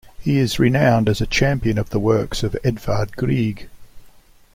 He is renowned as a champion of the works of Edvard Grieg.